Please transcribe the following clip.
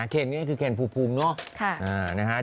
เคนนี้คือเคนภูมิพูมเนอะ